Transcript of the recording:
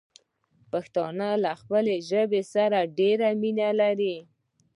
پښتانه له خپلې ژبې سره ډېره مينه لري.